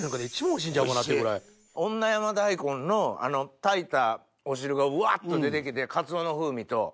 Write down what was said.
女山大根の炊いたお汁がうわっと出てきてかつおの風味と。